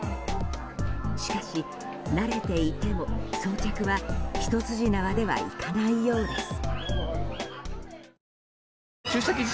しかし慣れていても、装着は一筋縄ではいかないようです。